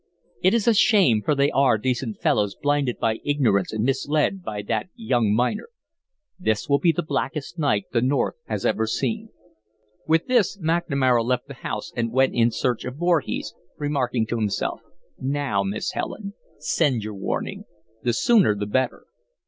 It is a shame, for they are decent fellows, blinded by ignorance and misled by that young miner. This will be the blackest night the North has ever seen." With this McNamara left the house and went in search of Voorhees, remarking to himself: "Now, Miss Helen send your warning the sooner the better.